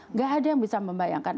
nggak ada yang bisa membayangkan